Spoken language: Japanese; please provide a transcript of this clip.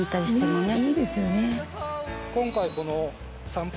「いいですよね」